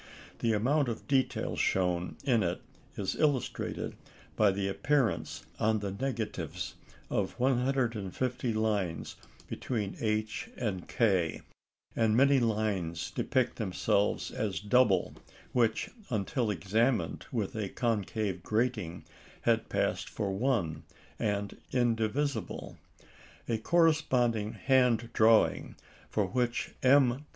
The amount of detail shown in it is illustrated by the appearance on the negatives of 150 lines between H and K; and many lines depict themselves as double which, until examined with a concave grating, had passed for one and indivisible. A corresponding hand drawing, for which M.